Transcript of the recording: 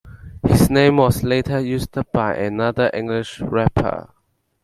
His name was later used by another English rapper.